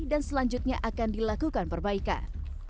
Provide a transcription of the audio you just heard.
selanjutnya akan dilakukan perbaikan